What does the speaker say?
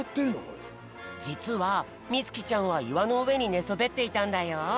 じつはみつきちゃんはいわのうえにねそべっていたんだよ。